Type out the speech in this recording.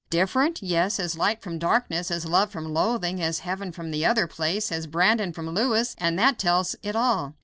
Different? Yes, as light from darkness; as love from loathing; as heaven from the other place; as Brandon from Louis; and that tells it all.